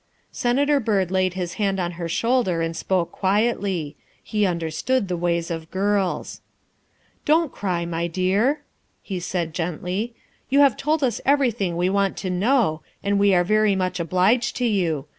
Senator Byrd laid his hand on her shoulder and spoke quietly. He understood the ways of girls. " Don't cry, my dear," he said gently, " you have 336 THE WIFE OF told us everything we want to know and we are very much obliged to you.